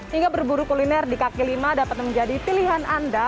hingga berburu kuliner di kaki lima dapat menjadi pilihan anda